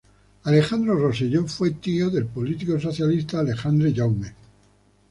Alejandro Rosselló fue tío del político socialista Alexandre Jaume.